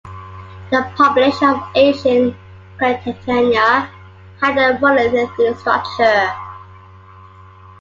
The population of ancient Carantania had a polyethnic structure.